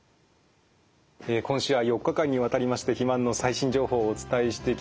今週は４日間にわたりまして肥満の最新情報をお伝えしてきました。